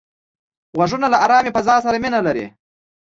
غوږونه له آرامې فضا سره مینه لري